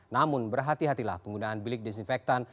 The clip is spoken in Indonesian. namun berhati hatilah penggunaan bilik disinfektan